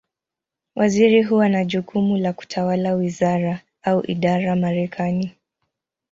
Waziri huwa na jukumu la kutawala wizara, au idara Marekani.